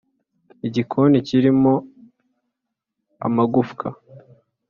igikoni kirimo amagufwa